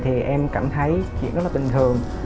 thì em cảm thấy chuyện rất là bình thường